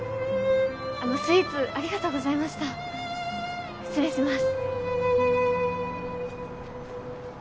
スイーツありがとうございました失礼します